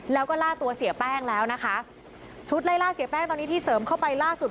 แล้วก็ล่าตัวเสียแป้งแล้วนะคะชุดไล่ล่าเสียแป้งตอนนี้ที่เสริมเข้าไปล่าสุด